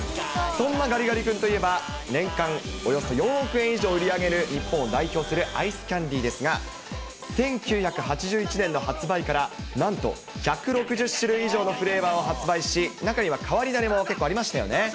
そんなガリガリ君といえば、年間およそ４億円以上売り上げる日本を代表するアイスキャンディーですが、１９８１年の発売からなんと１６０種類以上のフレーバーを発売し、中には変わり種も結構ありましたよね。